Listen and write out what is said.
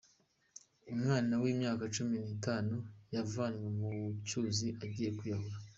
Umwana w’imyaka cumi nitatu yavanywe mu cyuzi agiye kwiyahura